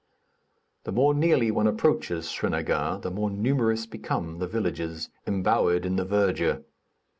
The more nearly one approaches Srinagar, the more numerous become the villages embowered in the verdure.